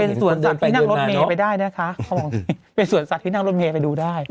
เป็นสวนสัตว์ที่นั่งรถเมย์ไปได้นะคะเขาบอกเป็นสวนสัตว์ที่นั่งรถเมย์ไปดูได้